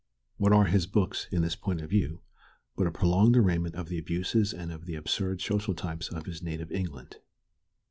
What are his books, in this point of view, but a prolonged arraignment of the abuses and of the absurd social types of his native England?